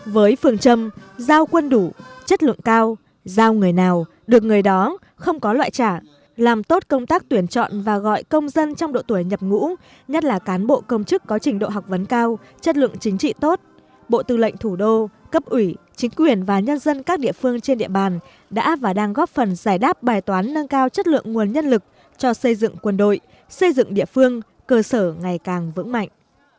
với phương châm giao quân đủ chất lượng cao giao người nào được người đó không có loại trả làm tốt công tác tuyển chọn và gọi công dân trong độ tuổi nhập ngũ nhất là cán bộ công chức có trình độ học vấn cao chất lượng chính trị tốt bộ tư lệnh thủ đô cấp ủy chính quyền và nhân dân các địa phương trên địa bàn đã và đang góp phần giải đáp bài toán nâng cao chất lượng nguồn nhân lực cho xây dựng quân đội xây dựng địa phương cơ sở ngày càng vững mạnh